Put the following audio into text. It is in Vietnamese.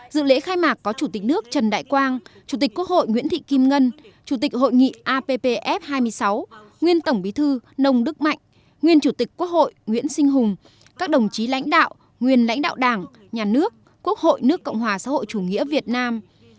dự lễ khai mạc có chủ tịch nước trần đại quang chủ tịch quốc hội nguyễn thị kim ngân chủ tịch hội nghị appf hai mươi sáu nguyên tổng bí thư nông đức mạnh nguyên chủ tịch quốc hội nguyễn sinh hùng các đồng chí lãnh đạo nguyên lãnh đạo đảng nhà nước quốc hội nước cộng hòa xã hội chủ nghĩa việt nam